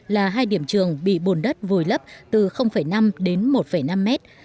là hai điểm trường bị bùn đất vùi lấp từ năm đến một năm mét